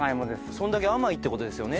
それだけ甘いって事ですよね？